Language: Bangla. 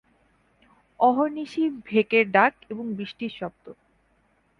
অহর্নিশি ভেকের ডাক এবং বৃষ্টির শব্দ।